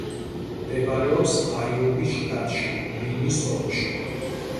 მდებარეობს აიოვის შტატში, ლინის ოლქში.